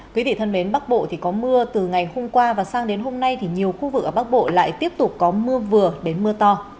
quý vị thân mến bắc bộ thì có mưa từ ngày hôm qua và sang đến hôm nay thì nhiều khu vực ở bắc bộ lại tiếp tục có mưa vừa đến mưa to